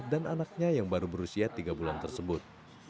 dan anaknya yang baru berusia tiga bulan tersebut